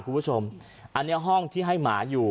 คุณผู้ชมอันนี้ห้องที่ให้หมาอยู่